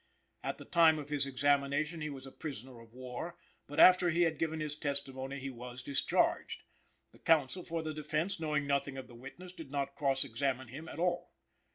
At the time of his examination he was a prisoner of war, but after he had given his testimony he was discharged. The counsel for the defense knowing nothing of the witness did not cross examine him at all.